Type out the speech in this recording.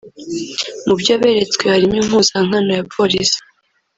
Mu byo beretswe harimo impuzankano ya Polisi